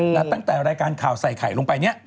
แล้วตั้งแต่รายการข่าวใส่ไข่ลงไปเนี่ย